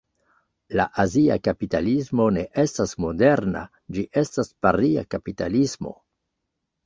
La azia kapitalismo ne estas moderna, ĝi estas paria kapitalismo.